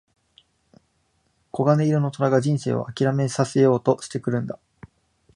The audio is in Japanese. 金色の虎が人生を諦めさせようとしてくるんだ。